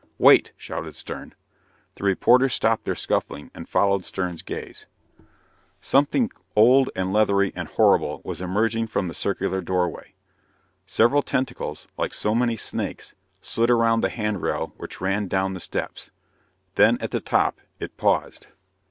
"Wait!" shouted Stern. The reporters stopped their scuffling and followed Stern's gaze. Something old and leathery and horrible was emerging from the circular doorway. Several tentacles, like so many snakes, slid around the hand rail which ran down the steps. Then, at the top, it paused.